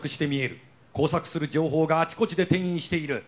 交錯する情報があちこちで転移している。